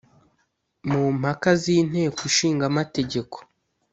mu mpaka z'inteko ishinga amategeko,